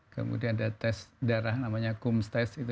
kemudian ada tes darah namanya kums test